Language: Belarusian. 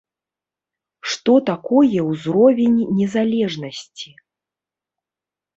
Што такое ўзровень незалежнасці?